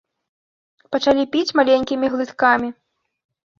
Пачалі піць маленькімі глыткамі.